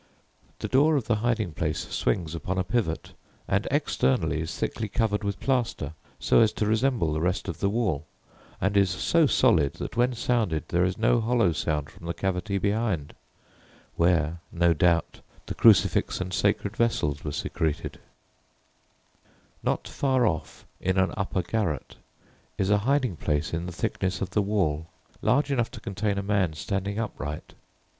The door of the hiding place swings upon a pivot, and externally is thickly covered with plaster, so as to resemble the rest of the wall, and is so solid that when sounded there is no hollow sound from the cavity behind, where, no doubt the crucifix and sacred vessels were secreted. [Illustration: HIDING PLACE, UFTON COURT] [Illustration: HIDING PLACE, UFTON COURT] Not far off, in an upper garret, is a hiding place in the thickness of the wall, large enough to contain a man standing upright.